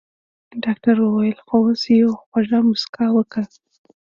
ډاکټر وويل خو اوس يوه خوږه مسکا وکړه.